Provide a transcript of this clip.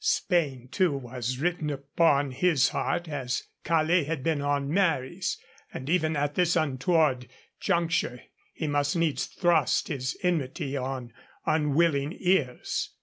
Spain, too, was written upon his heart, as Calais had been on Mary's, and even at this untoward juncture he must needs thrust his enmity on unwilling ears.